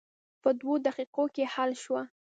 په دوه دقیقو کې حل شوه.